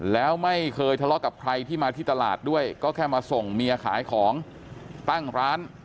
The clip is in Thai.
แล้วไม่เคยทะเลาะกับใครที่มาที่ตลาดด้วยก็แค่มาส่งเมียขายของตั้งร้าน